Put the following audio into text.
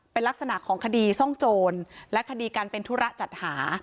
เป็นลักษณะของคดีซ่องโจรและคดีการเป็นธุระจัดหา